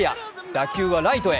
打球はライトへ。